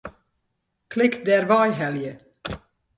Klik Dêrwei helje.